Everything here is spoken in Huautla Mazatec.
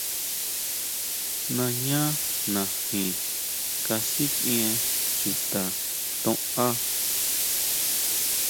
Nañánaji kasikʼien chuta ton á.